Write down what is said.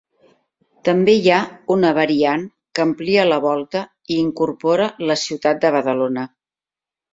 També hi ha una variant que amplia la volta i incorpora la ciutat de Badalona.